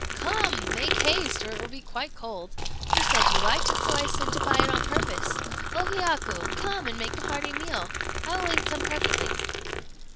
"Come! make haste, or it will be quite cold. You said you liked it, so I sent to buy it on purpose. O Hiyaku! come and make a hearty meal. I will eat some presently."